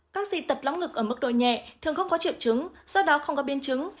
các di tật lõng ngực ở mức độ nhẹ thường không có triệu chứng do đó không có biên chứng